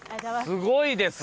すごい。